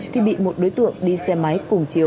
thì bị một đối tượng đi xe máy cùng chiều